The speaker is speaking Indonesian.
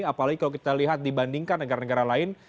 apalagi kalau kita lihat dibandingkan negara negara lain